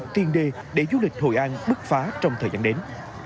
tiền đề để du lịch hội an bước phá trong thời gian đến